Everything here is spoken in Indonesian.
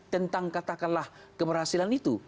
tentang katakanlah keberhasilan itu